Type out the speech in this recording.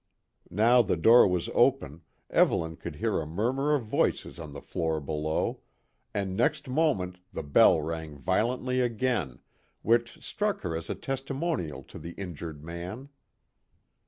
Now the door was open, Evelyn could hear a murmur of voices on the floor below, and next moment the bell rang violently again, which struck her as a testimonial to the injured man.